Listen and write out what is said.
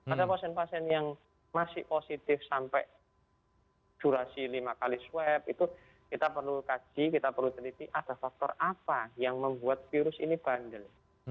ada pasien pasien yang masih positif sampai durasi lima kali swab itu kita perlu kaji kita perlu teliti ada faktor apa yang membuat virus ini bandel